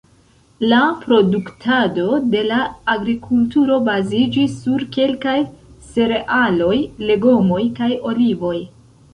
La produktado de la agrikulturo baziĝis sur kelkaj cerealoj, legomoj kaj olivoj.